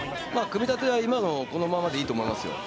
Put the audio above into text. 組み立ては今のままでいいと思いますよ。